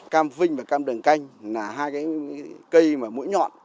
cam vinh và cam đường canh là hai cái cây mà mũi nhọn